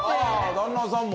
旦那さんも。